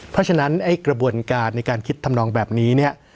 เพราะฉะนั้นไอ้กระบวนการในการคิดทำนองแบบนี้เนี่ย